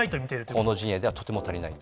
河野陣営では、とても足りないと。